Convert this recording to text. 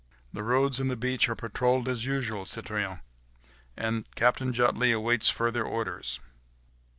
"The roads and the beach are patrolled as usual, citoyen, and Captain Jutley awaits further orders."